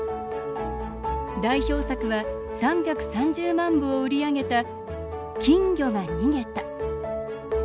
代表作は３３０万部を売り上げた「きんぎょがにげた」